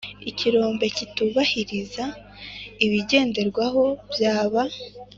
Ikirombe kitubahiriza ibigenderwaho byaba